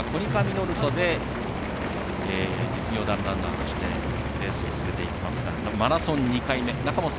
このあと１２月からコニカミノルタで実業団ランナーとしてレースをしていきますがマラソンは２回目。